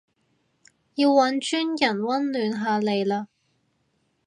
要搵專人溫暖下你嘞